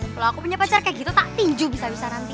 kalau aku punya pacar kayak gitu tak tinju bisa bisa nanti